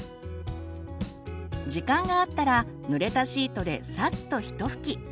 時間があったらぬれたシートでさっとひと拭き。